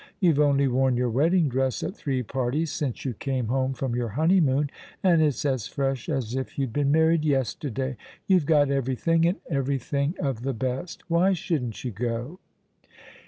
You've only worn your wedding dress at three parties since you came home from your honeymoon, and it's as fresh as if you'd been married yesterday. You've got everything, and every thing of the best. Why shouldn't you go